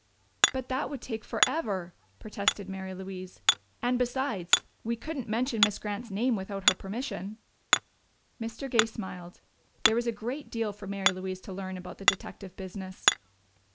"But that would take forever," protested Mary Louise. "And besides, we couldn't mention Miss Grant's name without her permission." Mr. Gay smiled; there was a great deal for Mary Louise to learn about the detective business.